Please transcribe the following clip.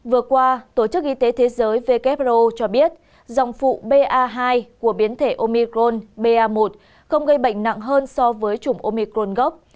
vừa qua tổ chức y tế thế giới who cho biết dòng phụ ba hai của biến thể omi gron ba một không gây bệnh nặng hơn so với chủng omicron gốc